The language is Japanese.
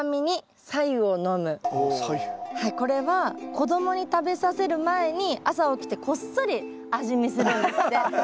これは子供に食べさせる前に朝起きてこっそり味見するんですって。